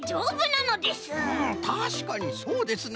たしかにそうですな！